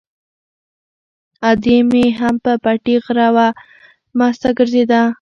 ادې مې هم په پټي غره وه، مسته ګرځېده.